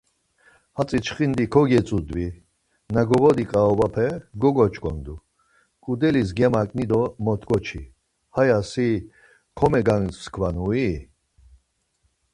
Hatzi çxindi kogetzudvi, na goğodi ǩaobape gogoç̌ǩondu, ǩudelis gemaǩni do mot̆ǩoçi, haya si komegamskvanui?